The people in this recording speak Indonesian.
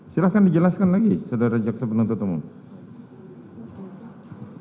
silahkan dijelaskan lagi saudara jaksa penuntut umum